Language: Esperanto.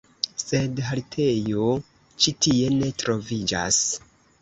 Sed haltejo ĉi tie ne troviĝas.